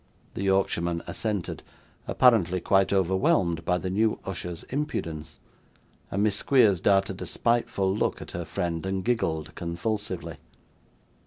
The Yorkshireman assented apparently quite overwhelmed by the new usher's impudence and Miss Squeers darted a spiteful look at her friend, and giggled convulsively.